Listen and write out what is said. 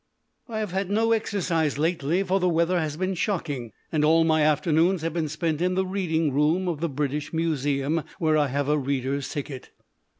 I have had no exercise lately, for the weather has been shocking; and all my afternoons have been spent in the reading room of the British Museum, where I have a reader's ticket.